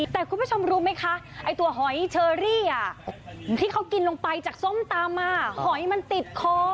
แต่คุณผู้ชมรู้ไหมคะไอ้ตัวหอยเชอรี่ที่เขากินลงไปจากส้มตำมาหอยมันติดคอ